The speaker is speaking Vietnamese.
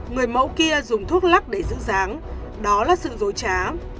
người mẫu kia dùng thuốc lắc để giữ giáng đó là sự dối trá